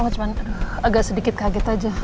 cuma agak sedikit kaget aja